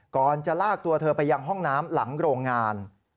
ก่อนจะลากตัวเธอไปยังห้องน้ำหลังโรงงาน